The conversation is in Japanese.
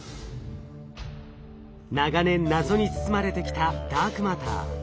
長年謎に包まれてきたダークマター。